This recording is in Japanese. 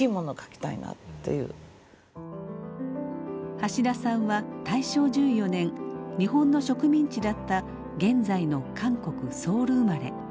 橋田さんは大正１４年日本の植民地だった現在の韓国・ソウル生まれ。